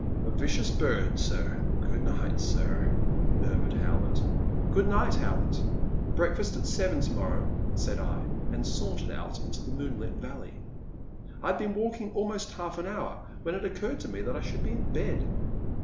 A vicious bird, sir, good night, sir,'' mur mured Howlett. Good night, Howlett ; breakfast at seven to morrow," said I, and sauntered out into the moonlit valle5^ I had been walking almost half an hour when it occurred to me that I should be in bed.